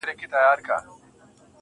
خو له دې بې شرفۍ سره په جنګ یم,